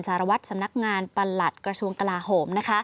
สารวัตรสำนักงานประหลัดกระทรวงกลาโหม